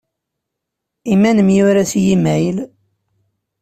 I ma nemyura s yimayl?